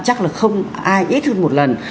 chắc là không ai ít hơn một lần